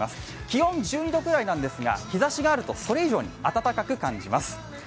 気温１２度くらいなんですが日ざしがあるとそれ以上に暖かく感じます。